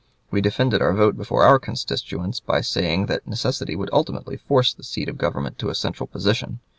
We defended our vote before our constituents by saying that necessity would ultimately force the seat of government to a central position.